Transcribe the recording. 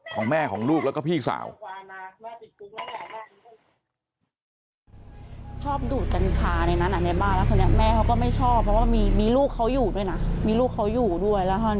ของแม่ของลูกแล้วก็พี่สาว